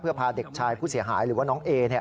เพื่อพาเด็กชายผู้เสียหายหรือว่าน้องเอ